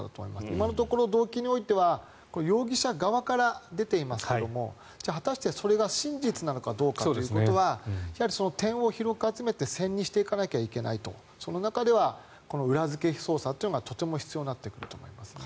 今のところ動機においては容疑者側から出ていますがじゃあ、果たしてそれが真実なのかどいうかということは点を集めて線にしていかなきゃいけないとその中では裏付け捜査というのがとても必要になってくると思います。